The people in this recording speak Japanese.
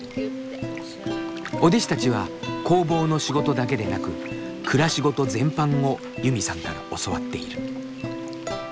お弟子たちは工房の仕事だけでなく暮らしごと全般をユミさんから教わっている。